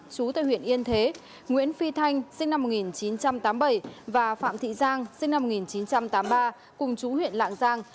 chú tây huyện yên thế nguyễn phi thanh sinh năm một nghìn chín trăm tám mươi bảy và phạm thị giang sinh năm một nghìn chín trăm tám mươi ba cùng chú huyện lạng giang